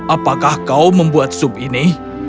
apakah kau membuat sup ini